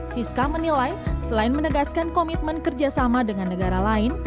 siska menilai selain menegaskan komitmen kerjasama dengan negara lain